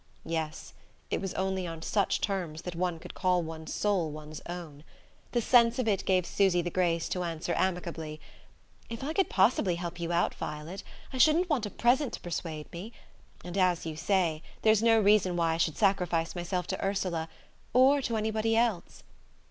Yes; it was only on such terms that one could call one's soul one's own. The sense of it gave Susy the grace to answer amicably: "If I could possibly help you out, Violet, I shouldn't want a present to persuade me. And, as you say, there's no reason why I should sacrifice myself to Ursula or to anybody else.